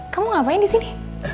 kamu ngapain disini